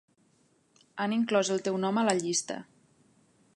Han inclòs el teu nom a la llista.